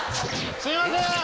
すいません！